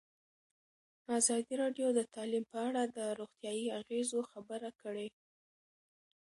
ازادي راډیو د تعلیم په اړه د روغتیایي اغېزو خبره کړې.